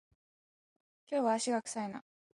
新しい資本主義